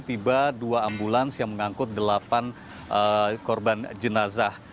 tiba dua ambulans yang mengangkut delapan korban jenazah